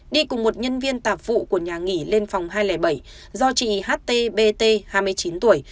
đi cùng một nhân viên tạp vụ của nhà nghỉ lên phòng hai trăm linh bảy do chị htbt hai mươi chín tuổi